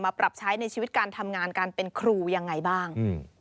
ปรับใช้ในชีวิตการทำงานการเป็นครูยังไงบ้าง